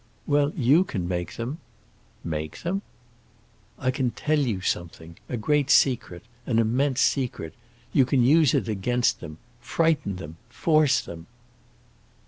"Well, you can make them." "Make them?" "I can tell you something—a great secret—an immense secret. You can use it against them—frighten them, force them."